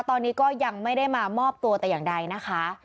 ตอนนี้ก็ยังไม่ได้มามอบตัวแต่อย่างใดนะคะ